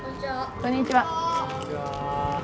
こんにちは。